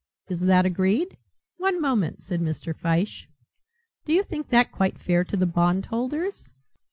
Is that agreed?" "One moment!" said Mr. Fyshe, "do you think that quite fair to the bondholders?